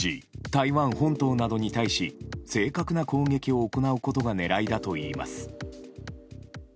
台湾本島などに対し正確な攻撃を行うことが狙いだといいます。